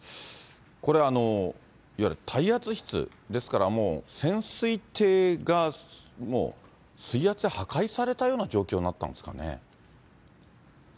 これ、いわゆる耐圧室ですから、潜水艇がもう水圧で破壊されたような状況になったんですかね。